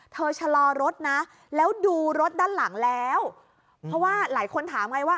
ชะลอรถนะแล้วดูรถด้านหลังแล้วเพราะว่าหลายคนถามไงว่า